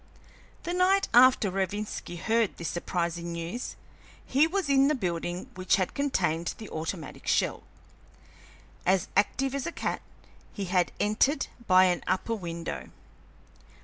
The night after Rovinski heard this surprising news he was in the building which had contained the automatic shell. As active as a cat, he had entered by an upper window.